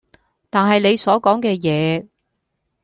但係你所講嘅嘢